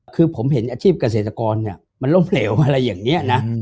คือผมเห็นอาชีพเกษตรกรเนี่ยมันล้มเหลวอะไรอย่างนี้นะ